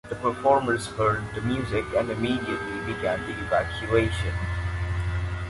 The performers heard the music and immediately began the evacuation.